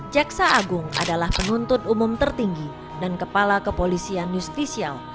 jaksa agung adalah penuntut umum tertinggi dan kepala kepolisian justisial